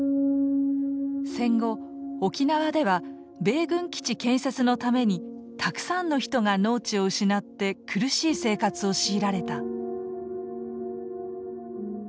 戦後沖縄では米軍基地建設のためにたくさんの人が農地を失って苦しい生活を強いられた。